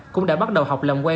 cũng đã bắt đầu học làm quay